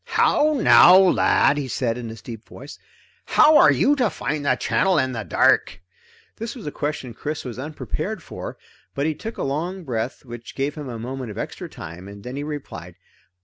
"How now, lad," he said in his deep voice, "how are you to find the channel in the dark?" This was a question Chris was unprepared for, but he took a long breath which gave him a moment of extra time, and then replied.